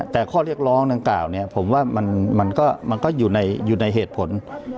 แต่ข้อเรียกร้องดังกล่าวเนี่ยผมว่ามันก็อยู่ในเหตุผล